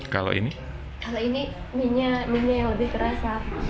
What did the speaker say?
kalau ini mie nya yang lebih keras